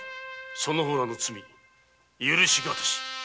その方らの罪許し難し。